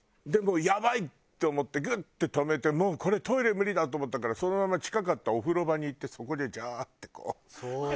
でもうやばい！って思ってグッて止めてもうこれトイレ無理だと思ったからそのまま近かったお風呂場に行ってそこでジャーッてこう。